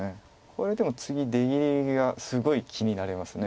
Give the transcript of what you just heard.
これでも次出切りがすごい気になります。